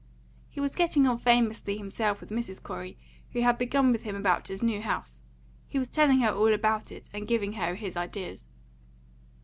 He was getting on famously himself with Mrs. Corey, who had begun with him about his new house; he was telling her all about it, and giving her his ideas.